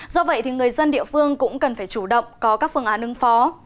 do vậy thì người dân địa phương cũng cần phải chủ động có các phương án ứng phó